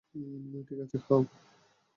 ঠিক আছে, যাও।